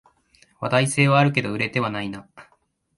話題性はあるけど売れてはないな